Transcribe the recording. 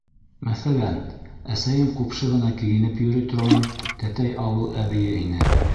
Мәҫәлән, әсәйем ҡупшы ғына кейенеп йөрөй торған тәтәй ауыл әбейе ине.